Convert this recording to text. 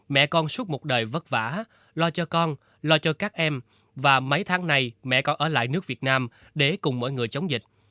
mẹ con suốt một đời vất vả lo cho con lo cho các em và mấy tháng nay mẹ còn ở lại nước việt nam để cùng mọi người chống dịch